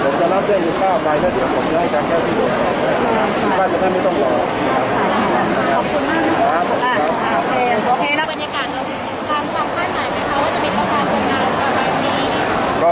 โอเคนะบรินิการลองพัฒนภาพไหน